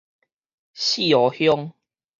四湖鄉